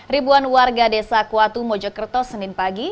ribuan warga desa kuatu mojokerto senin pagi